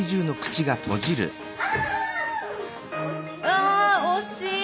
あ惜しい！